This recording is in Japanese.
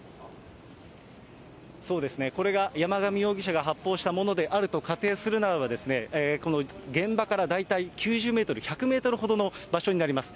そうですね、これが山上容疑者が発砲したものであると仮定するならば、この現場から大体９０メートル、１００メートルほどの場所になります。